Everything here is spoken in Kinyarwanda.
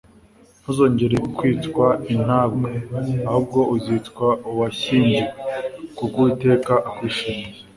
“Ntuzongera kwitwa intabwa;… ahubwo uzitwa Uwashyingiwe;… kuko Uwiteka akwishimiye.